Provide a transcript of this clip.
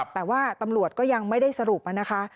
แต่ว่าตำรวจก็ยังไม่ได้สรุปนะคะ